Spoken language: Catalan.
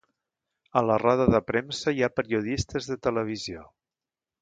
A la roda de premsa hi ha periodistes de televisió.